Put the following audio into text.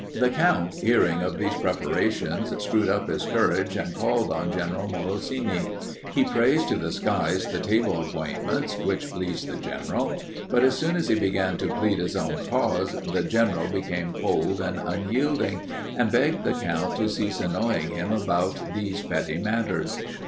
"The Count, hearing of these preparations, screwed up his courage and called on General Morosini. He praised to the skies the table appointments, which pleased the General, but as soon as he began to plead his own cause, the General became cold and unyielding and begged the Count to cease annoying him about these petty matters.